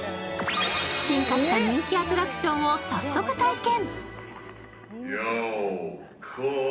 進化した人気アトラクションを早速体験。